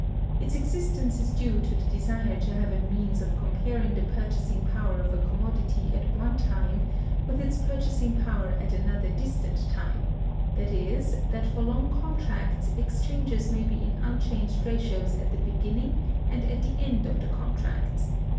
Its existence is due to the desire to have a means of comparing the purchasing power of a commodity at one time with its purchasing power at another distant time; that is, that for long contracts, exchanges may be in unchanged ratios at the beginning and at the end of the contracts.